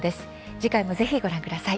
次回もぜひ、ご覧ください。